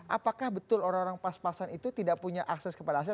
apakah betul orang orang pas pasan itu tidak punya akses kepada aset